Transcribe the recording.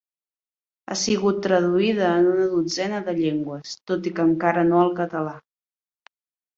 Ha sigut traduïda en una dotzena de llengües, tot i que encara no al català.